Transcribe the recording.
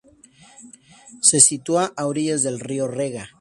Se sitúa a orillas del río Rega.